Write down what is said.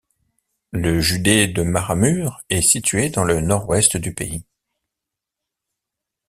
Le județ de Maramureș est situé dans le nord-ouest du pays.